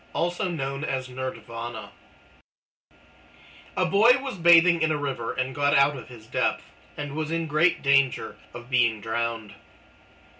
THE BOY BATHING A Boy was bathing in a river and got out of his depth, and was in great danger of being drowned.